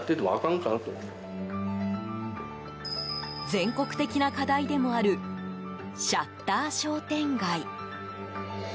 全国的な課題でもあるシャッター商店街。